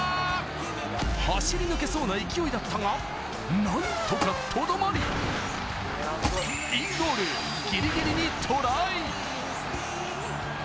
走り抜けそうな勢いだったが、なんとかとどまり、インゴールギリギリにトライ。